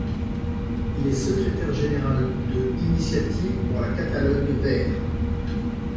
Il est secrétaire général de Initiative pour la Catalogne Verts.